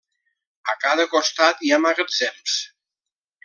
A cada costat hi ha magatzems.